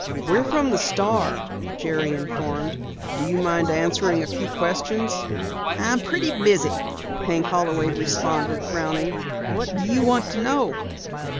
"We're from the Star," Jerry informed. "Do you mind answering a few questions?" "I'm pretty busy," Hank Holloway responded, frowning. "What do you want to know?"